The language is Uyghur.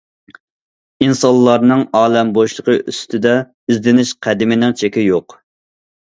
ئىنسانلارنىڭ ئالەم بوشلۇقى ئۈستىدە ئىزدىنىش قەدىمىنىڭ چېكى يوق.